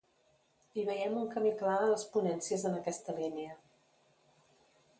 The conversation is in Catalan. I veiem un camí clar a les ponències en aquesta línia.